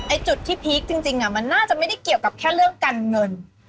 จุดที่พีคจริงมันน่าจะไม่ได้เกี่ยวกับแค่เรื่องการเงิน